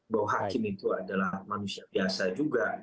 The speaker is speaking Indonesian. bahwa hakim itu adalah manusia biasa juga